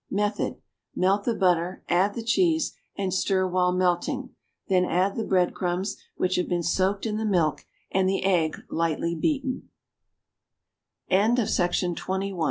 Method. Melt the butter, add the cheese, and stir while melting; then add the bread crumbs, which have been soaked in the milk and the egg lightly beat